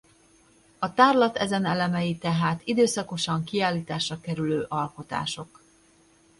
A tárlat ezen elemei tehát időszakosan kiállításra kerülő alkotások.